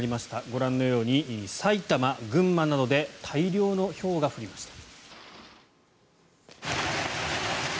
ご覧のように埼玉、群馬などで大量のひょうが降りました。